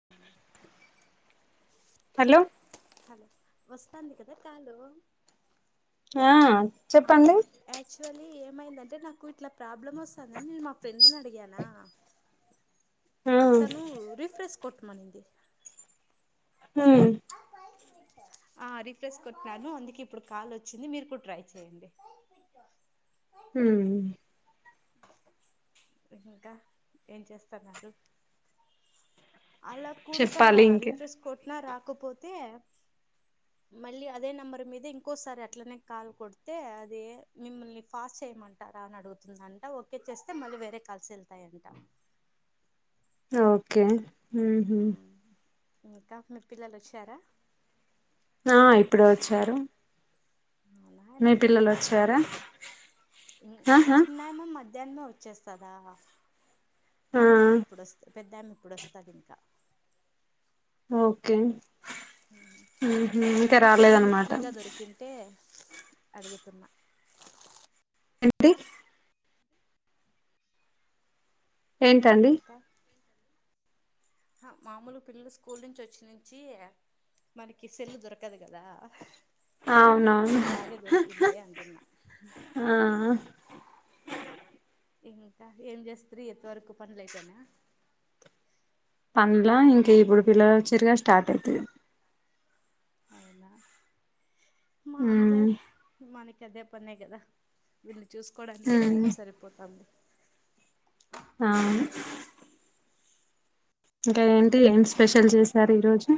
అ [inaudible] hello hello వస్తంది కదా call ఆ ఆ చెప్పండి యాక్చువల్లీ ఏమైందంటే నాకు ఇట్లా ప్రాబ్లమ్ వస్తుందని నేను మా ఫ్రెండ్ ని అడిగానా ఆ తనూ రిఫ్రెష్ కొట్టమంది ఉమ్ ఆ రిఫ్రెష్ కొట్టినాను అందుకే ఇప్పుడు కాల్ వచ్చింది మీరు కూడా ట్రై చేయండి ఉమ్ ఇంకా ఏం చేస్తారు మరి అలా కూడక చెప్పాలి ఇంకే రిఫ్రెష్ కొట్టినా రాకపోతే మళ్ళీ అదే నెంబర్ మీద ఇంకోసారి అట్లనే కాల్ కొడితే అది మిమ్మల్ని ఫాస్ట్ చేయమంట టారా అని అడుగుతుందంట ఓకే చేస్తే మళ్ళీ వేరే కలిసి వెళ్తాయంట ఓకే ఊహు ఇంకా మీ పిల్లలు వచ్చారా ఆ ఇప్పుడే వచ్చారు వాళ్ళయన మీ ఫ్రీగా పిల్లలు దొరికిందిలే వచ్చారా టైము ఆహా చిన్నాయన మద్ మధ్యాహ్నమే వచ్చేస్తదా ఆ మధ్యాహ్నం ఇప్పుడు వస్త పెద్దమే ఇప్పుడు వస్తది ఇంకా ఓకే ఊహూ ఇంకా అయిన సేల్లు మీకు రాలేదనమాట ఫ్రీగా దొరికింటే అడుగుతున్నా అంటే ఏంటండి అ హ మామూలు పిల్లలు స్కూల్ నుంచి వచ్చి నుంచి మనకి సెల్లు దొరకదుగదా అవునవును మీకు బాగే దొరికిందే అంటున్నా ఆ ఇంకా ఏం చేస్త్రి ఎంతవరకు పనులు అయిపోయినా పనుల ఇంకా ఇప్పుడు పిల్లలచ్చిరుగా స్టార్ట్ అయితది అవున హ్మ్ మాముూలేలె మనకి అదే పనే కదా వీళ్ళని చూసుకోవడానికే టైం హ్మ్ సరిపోతాంది అవును ఇంకా ఏంటి ఏం ఇంకా స్పెషల్ చేశారు ఈ రోజు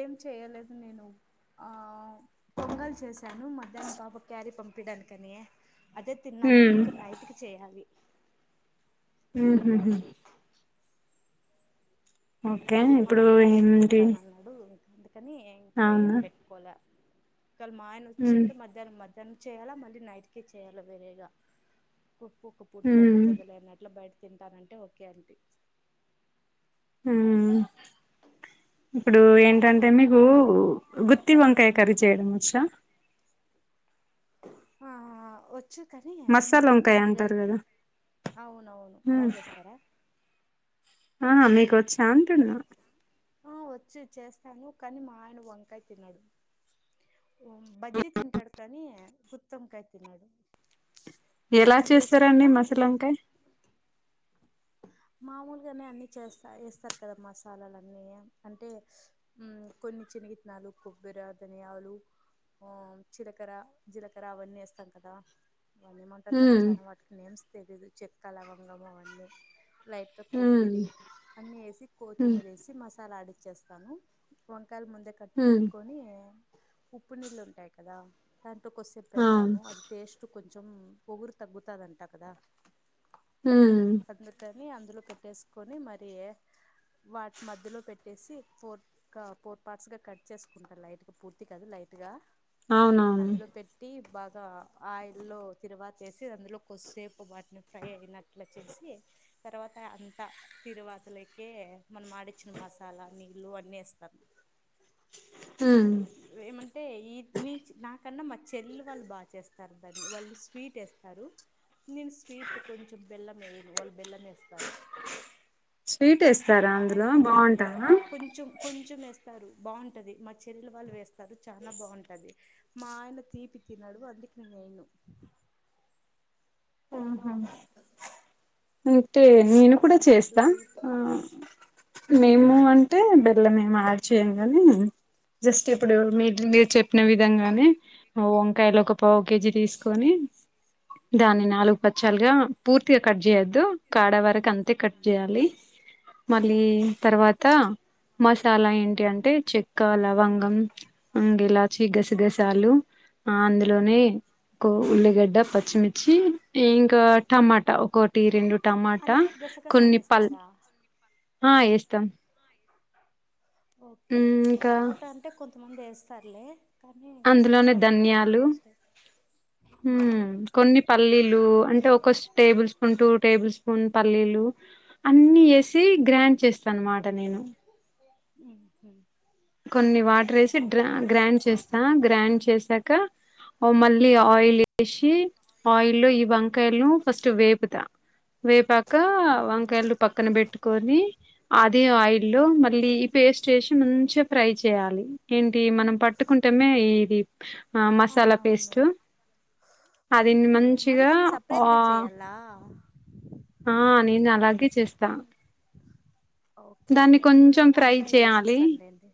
ఏం చేయలేదు నేను ఆ పొంగల్ చేశాను మధ్యాహ్నం పాప క్యారీ పంపిడానికని అదే తిన్నా నేను హ్మ్ ఇంక నైటుకి చేయాలి ఊహుహు ఓకే మా ఇప్పుడు ఆయన బయట ఏంటి తింటానన్నా డు ఇంక అందుకని ఇంకా ఏం అవునా పెట్టుకోలే ఓకాలా మా ఆయన ఉమ్ వచ్చుంటే మధ్య ద్ద మధ్యానం చేయాలా మళ్ళీ నైట్కి చేయాలా వేరేగా కుక్ ఒక్క పూట ఉమ్ తగ్గుతదిలే అన్నట్లో బయట తింటానంటే ఓకే అంటీ హూ ఇప్పుడు ఏంటంటే మీకు గుత్తి వంకాయ కర్రీ చేయడంవచ్చా ఆ వోచ్ వచ్చు కానీ మా మసాలా ఆయన వంకాయ పెద్దగా అంటారు కదా అవునవును బాగ చేస్తారా ఆహ మీకు వచ్చా అంటున్నా ఆ వచ్చు చేస్తాను కానీ మా ఆయన వంకాయ తినడు బజ్జి తింటాడు కానీ గుత్తివంకాయి తినడు ఎలా చేస్తారండి చేసుకున్నా మసాలా వంకాయి మామూలుగానే అన్ని చేస్తా వేస్తారు కదా మసాలాలన్నీ అంటే ఉ కొన్ని చినగిత్నాలు కొబ్బెర ధనియాలు ఓ చిలకర జీలకర్ర అవన్నీ వేస్తాం కదా వాన్నేమంటారు నాకు ఉమ్ చాలా వాటికి నేమ్స్ తెలిదు చెక్క లవంగము అవన్నీ లైట్గ ఉమ్ కొబ్బరి అన్ని వేసి ఉమ్ కొత్మీరి వేసి మసాలా ఆడిచ్చేస్తా కను వంకాయలు ముందే కట్ ఉమ్ పెట్టుకొని ఉప్పు నీళ్ళు ఉంటయి కదా దాంట్లో కొద్దిసేపు అవును పెడతాను అది టేస్ట్ కొంచెం ఒగురు తగ్గుతాదంట కదా ఊ కని అందులో పెట్టేసుకొని మరీ వాటి మధ్యలో పెట్టేసి ఫోర్ క ఫోర్ పార్ట్స్ గా కట్ చేసుకుంటా లైట్ గా పూర్తి కాదు లైట్ గా అవునవును అందులో పె టీ బాగా ఆయిల్ లో తిరువాతేసి అందులో కొస్సేపు వాటిని ఫ్రై అయిన అట్ల చేసి తర్వాత అంతా తిరువాతలేకే మనం ఆడిచ్చిన మసాలా నీళ్ళు అన్నీ ఏస్తాను ఊ ఏమంటే ఈ నీచ్ నాకన్నా మా చెల్లెలు వాళ్ళు బా చేస్తారు దాన్ని వాళ్ళు స్వీట్ ఏస్తారు నేను స్వీట్ కొంచెం బెల్లము ఎయ్యను వాళ్లు బెల్లం ఏ స్వీట్ ఏస్తారా మా ఆయన అందులో బావుంటాదా కొంచెం కొంచెం వేస్తారు బావుంటది మా చెల్లెలు వాళ్ళు వేస్తారు చానా బావుంటది మా ఆయన తీపి తినడు అందుకు నేను ఏయ్యను ఆహా [inaudible] టే నేను చాలా కూడా బాగుంటుంది చేస్తా లైట్ ఆ నేను అంటే బెల్లం ఏం యాడ్ చేయను కానీ జస్ట్ ఇప్పుడు మీరు మీరు చెప్పిన విధంగా అని వంకాయలు ఒక పావు కే జీ తీసుకొని దాన్ని నాలుగు ప చల్ గా పూర్తిగా కట్ చేయద్దు కాడ వరకు అంతే కట్ చేయాలి మళ్ళీ తర్వాత మసాలా ఏంటి అంటే చెక్క లవంగం అండ్ ఇలాచి గసగసాలు ఆ అందులోనే కు ఉల్లిగడ్డ పచ్చిమిర్చి టీ ఇంకా టమా టా ఒక్కోటి రెండు టమాటా అందులోకి గసగసాలు కొన్ని పల్ వేస్తారా ఆ ఏస్తాం ఓకే ఇంకా టమోటా అంటే కొంతమంది ఏస్తారులే కానీ అందులోనే గసగసాలు ఇనడం ఇదే ధన్యాలు ఫస్ట్ టై హ్మ్ కొన్ని పల్లీలు అంటే ఒక టేబుల్ స్పూన్ టూ టేబుల్స్ ఉన్ పల్లీలు అన్నీ ఏసి గ్రాండ్ చేస్తా అన్నమాట నేను [unintelligible] కొన్ని వాటర్ ఏసి డ్రా ఓకే గ్రైండ్ చేస్త్ తా గ్రాండ్ చేశాక ఆ మళ్ళీ ఆయిల్ ఏషి ఆయిల్ లో ఈ వంకాయలను ఫస్ట్ వేపుతా వేపాక ఉహు వంకాయలు పక్కన పెట్టుకొని అదే ఆయిల్ లో మళ్ళీ ఈ పేస్ట్ ఏసి మంచిగా ఫ్రై చేయాలి ఏంటి మనం పట్టుకుంటేమే ఇది ఆ మసాలా అవునవును పేస్టు ఆ దిన్ని ఓకే మరి మంచిగా దాన్ని ఆ సపరేట్గా చేయాలా ఆ నేను అలాగే చేస్తా ఓకే దాన్ని కొంచెం నేనేమో ఫ్రై అంతా చెయ్యాలి చేసేస్తానులేండి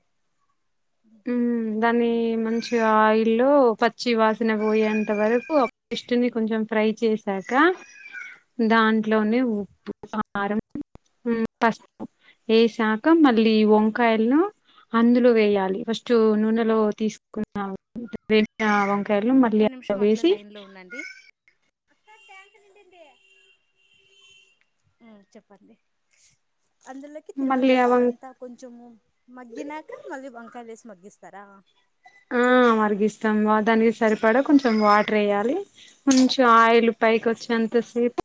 ఉహు. ఉమ్ దాన్ని మంచిగా ఆయిల్లో పచ్చి వాసిన పోయేంత వరకూ పేస్టు ని కొంచెం ఫ్రై చేశాక దాంట్లోనే ఉప్పు కారం ఉమ్ పసుపు ఏశాక మళ్ళీ ఈ వంకాయలను అందులో వేయాలి ఫస్ టూ నూనెలో తీసుకున్న [unintelligible] ఒక్క అందులో నిమిషం అట్లే వేసి లైన్ లో ఉండండి అక్క ట్యాంక్ నిండింది ఊ చెప్పండి అందులో కి తిరువాత మళ్ళీ ఆ వం అదంతా కొంచము మగ్గినాక మళ్లీ వంకాయలు వేసి మగ్గిస్తారా ఆ మరిగిస్తాం బా దానికి సరిపడా కొంచెం వాటర్ వేయాలి కొంచెం ఆయిల్ ఓకే పైకొచ్చే అంతసేపు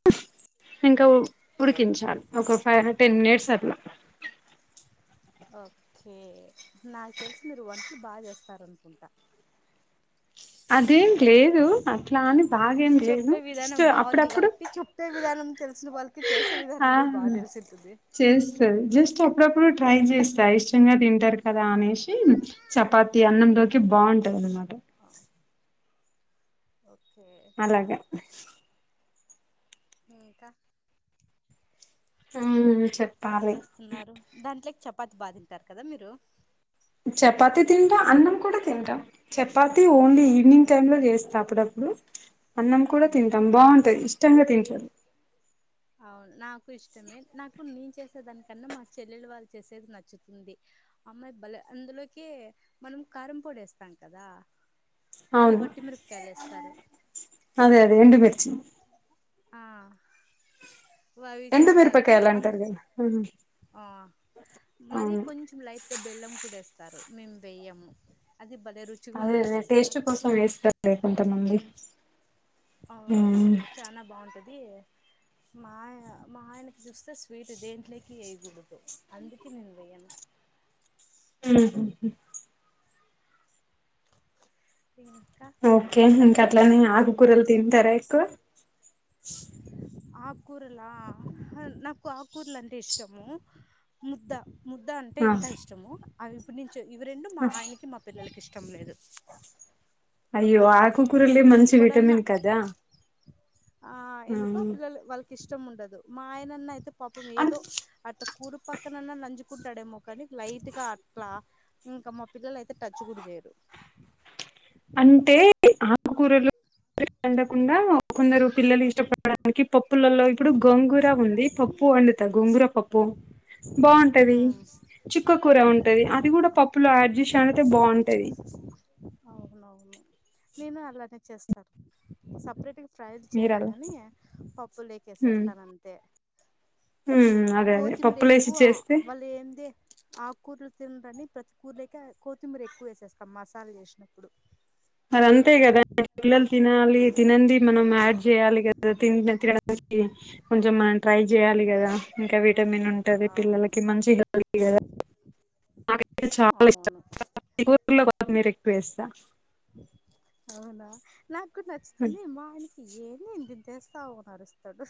ఇంకా ఉడికించాలి ఒక ఫైవ్ టెన్ మినిట్స్ అట్ల ఓకే నాకు తెలిసి మీరు వంటలు బాగా చేస్తారనుకుంటా అదేం లేదు అట్ల అని బాగా ఏం చేయను ఫస్ట్ అప్పుడప్పుడు ట్టే విధానం తెలిసిన వాళ్ళకి చేసే విధానం కూడా బాగా తెలిసి ఉంటుంది చేస్తారు జస్ట్ అప్పుడప్పుడు ట్రై చేస్తా ఇష్టంగా తింటారు కదా అనేసి చపాతి అన్నంలోకి బాగుంటది అనమాట ఆ ఓకే అలాగ ఇంకా ఆ మ్మ్ చెప్పాలి స్తున్నారు దాంట్లేకి చపాతి బా తింటారు కదా మీరు చపాతి తింట అన్నం కూడా తింటాం చపాతి ఓన్లీ అవును ఈవినింగ్ టైమ్ లో చేస్తా అప్పుడప్పుడు అన్నం కూడా తింటాం బాగుంటు ది ఇష్టంగా తింటారు అవును నాకు ఇష్టమే నాకు నేను చేసేదానికన్నా మా చెల్లెలు వాళ్ళు చేసేది నచ్చుతుంది అమ్మాయి బలే అందులోకి మనం కారం పొడి ఏస్తాం కదా వాళ్ళు అవును వట్టిమిరపకాయలు వేస్తారు అదే అదే ఎండుమిర్చి ఆ వ అవి చేస్తారు అందు మ్మ్ ఆ మరి కొంచెం లైట్గా బెల్లం కూడా ఏస్తారు మేము వెయ్యము అది బలే రుచిగుంటది తెల్సా ఆ వేస్తారు లే కొంతమంది ఉమ్, అవునవును చానా బాగుంటది మా ఆయ మా ఆయనకి చూస్తే స్వీట్ దెంట్లేకి వేయకూడదు అందుకే నేను వెయ్యను మ్మ్ హు హు ఇంక ఓకే ఇంకా అట్లనే ఆకుకూరలు తింటారా ఎక్కువ ఆకూరలా నాకు ఆకూరలు అంటే ఇష్టము ముద్ద ముద్ద అంటే ఆ, ఇంకా ఇష్టము అవి ఇప్పుడు నుంచో ఇవి రెండు ఆ. మా ఆయనకి మా పిల్లలకి ఇష్టం లేదు అయ్యో ఆకు కురలే మంచి ఎప్పుడన్నా విటమిన్ కదా ఆ ఎందుకో పిల్లలు వాళ్ళకి ఇష్టం ఉండదు మా ఆయనన్న అయితే పాపం అన్ ఏదో అట్ కూరు పక్కనున్నా నంజుకుంటాడేమో కానీ లైట్ గా అట్ల ఇంకా మా పిల్లలు అయితే టచ్ గుడ చేయరు అంటే ఆకుకూరలు అండకుండా కొందరు పిల్లలు ఇష్టపడడానికి పప్ ప్పులలో ఇప్పుడు గొంగుర ఉంది పప్పు వండుత గొంగుర పప్పు బాగుంటది ఉమ్, చిక్క కూర ఉంటది అది కూడా పప్పులో యాడ్ చేసినావ్ అంటే బాగుంటది అవునవును నేను అలానే చేస్తారు సపరేట్గా ఫ్రైలు చేయలే మీరలా గాని పప్పు లేకేసేస్తాను అంతే హ్మ్ కోత్తిముర ఎక్కువ వాళ్ళు ఏంది ఆక్ కూరలు తినరని ప్రతి కూరలో కి కొత్తిమీర ఎక్కువ వేసేస్తాం మసాలా చేసినప్పుడు మరి అంతే కదా పిల్లలు తినాలి ఉమ్, తినండి మనం యాడ్ చేయాలి కదా తి తడానికి కొంచెం మన ట్రై చేయాలి కదా అవును ఇంకా విటమిన్ ఉంటది అవును పిల్లలకి మంచి హెల్త్ కదా నాకైతే చాలా ఇష్టం అవును కూర్లో కొత్తిమీరు ఎక్కువ వేస్తా అవునా నాకు నచ్చుతుంది మా ఆయ ఏని ఇంతింత ఏస్తావు అని అరుస్ డు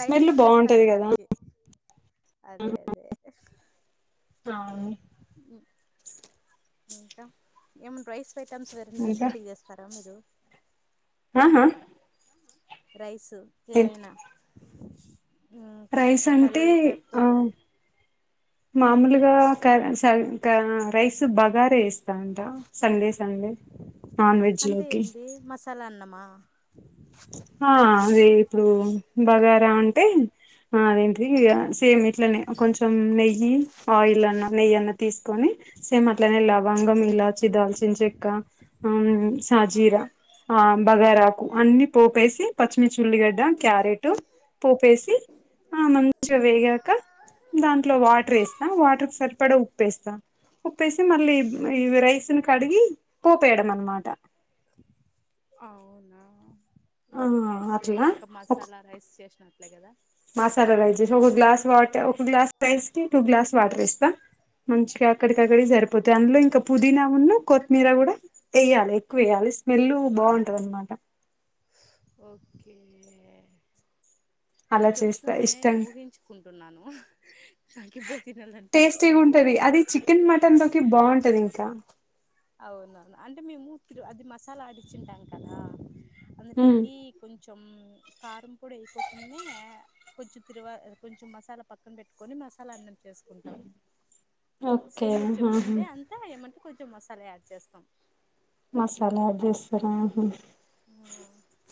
లైట్ స్మెల్ గానే వేస్తాను బాగుంటది కదా నేనాడికి అ ఇంకా ఏమన్నా రైస్ ఐటమ్స్ వేరే ఇంకా డిఫరెంట్ గా చేస్ స్తారా మీరు ఆహా ఆ రైసు ఏవైనా ఉమ్, రైస్ అంటే కరివేపాకుతో ఆ మామూలుగా క స క రైస్ బగారే వేస్ ఉంటా సండే సండే నాన్ వెజ్ లోకి లన్నమా ఆ అదే ఇప్పుడు బగారా అంటే ఆ అదేంటి ఇ సేమ్ ఇట్లనే కొంచెం నెయ్యి ఆయిల్ అన్నా నెయ్యి అన్నా తీసుకొని సేమ్ అట్లనే లవంగం ఇలాచి దాల్చిన చెక్క హ్మ్ ఆ సాజీరా ఆ బగారాకు అన్ని పోపేసి పచ్చిమిర్చీ ఉల్లిగడ్డ క్యారెట్ పోపేసి ఆ మంచిగా ఉహు, వేగాక దాంట్లో వాటర్ వేస్తా వాటర్ కి సరిపడా ఉప్పేస్తా ఉప్పేసి మళ్ళీ ఈ రైస్ ని కడిగి పోపేయడం అన్నమాట అవునా ఆ ఓకే సేమ్ అట్లా ఇంకా ఒక మసాలా రైస్ చేసినట్లే కదా మసాలా రైస్ ఒక గ్లాస్ వాటర్ ఒక గ్లాస్ పేస్టి టూ గ్లాస్ వాటర్ ఏస్ ఆ మంచిగా అక్కడికిక్కడి సరిపోతాయి అందులో ఇంకా పుదీనా ఉన్న కొత్తిమీర కూడా ఏయ్యాలి ఎక్కువ వేయాలి స్మెల్ బాగుంటది అన్నమాట ఓకే మీరు అలా చేస్తా చెప్తుంటేనే నేను ఇష్టంగా ఊహించుకుంటున్నాను నాకి ఇప్పుడే తినాలని టేస్టీగా ఉంటది అది చికెన్ మటన్ లోకి బాగుంటది ఇంకా అవునవును అంటే మేము అది మసాలా ఆడిచ్చింటాం కదా ఉమ్ అందులోకి కొంచెం కారం పొడి వేకోకుండా కొంచెం తిరువా కొంచెం మసాలా పక్కన పెట్టుకొని మసాలా అన్నం చేసుకుంటాం ఓకే సేమ్ మీరు ఆహా చెప్పింది అంతా ఏమంటే కొంచెం మసాలా యాడ్ చేస్తాం మసాలా యాడ్ చేస్తారా ఆహ హ్మ్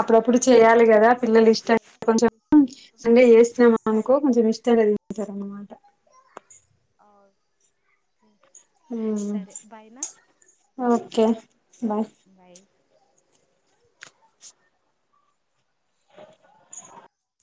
అప్పుడప్పుడు చెయాలి కదా పిల్లలు ఇష్టం కొంచెం [unintelligible] చేస్తునమా అనుకో కొంచెం ఇష్టంగా తింటారు అన్నమాట అవు ఊ బాయ్ నా ఓకే బాయ్ బై